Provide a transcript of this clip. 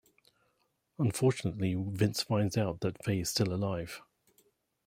Unfortunately, Vince finds out that Fay is still alive.